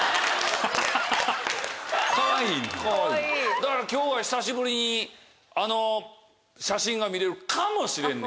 だから今日は久しぶりにあの写真が見れるかもしれんねやろ？